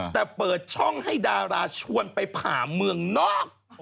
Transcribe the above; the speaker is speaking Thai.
แต่เปิดช่องให้ดาราชวนไปผ่าเมืองนอก